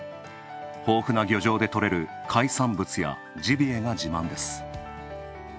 豊富な漁場で取れる海産物やジビエが自慢です。